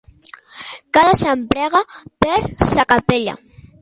Cada sant prega per sa capella.